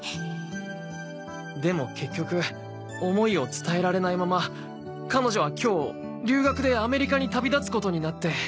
でも結局思いを伝えられないまま彼女は今日留学でアメリカに旅立つことになって。